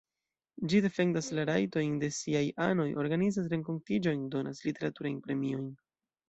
Ĝi defendas la rajtojn de siaj anoj, organizas renkontiĝojn, donas literaturajn premiojn.